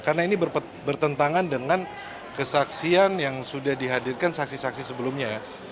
karena ini bertentangan dengan kesaksian yang sudah dihadirkan saksi saksi sebelumnya ya